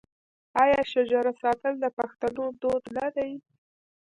آیا شجره ساتل د پښتنو دود نه دی؟